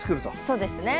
そうですね。